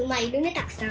たくさん。